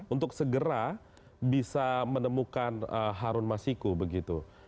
untuk segera bisa menemukan harun masiku begitu